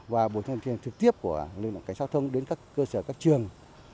và buổi tuyên truyền trực tiếp của lực lượng cảnh sát thông đến các cơ sở các trường